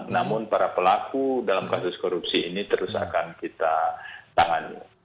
namun para pelaku dalam kasus korupsi ini terus akan kita tangani